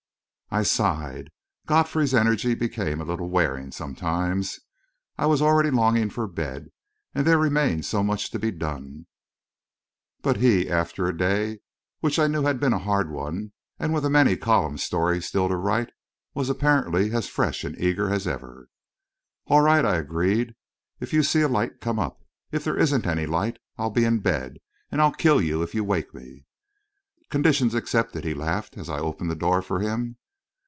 I sighed. Godfrey's energy became a little wearing sometimes. I was already longing for bed, and there remained so much to be done. But he, after a day which I knew had been a hard one, and with a many column story still to write, was apparently as fresh and eager as ever. "All right," I agreed. "If you see a light, come up. If there isn't any light, I'll be in bed, and I'll kill you if you wake me." "Conditions accepted," he laughed, as I opened the door for him.